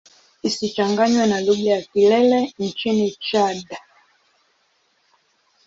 Isichanganywe na lugha ya Kilele nchini Chad.